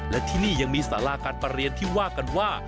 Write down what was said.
และที่นี่ยังมีสาราการประเรียนที่ว่ากันว่า